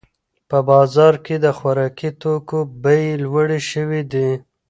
په بازار کې د خوراکي توکو بیې لوړې شوې دي.